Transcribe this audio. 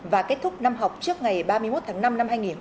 và kết thúc năm học trước ngày ba mươi một tháng năm năm hai nghìn hai mươi